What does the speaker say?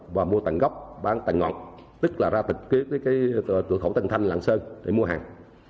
và mua tầng gốc bán tầng ngọt tức là ra từ cửa khẩu tân thanh lạng sơn để mua hàng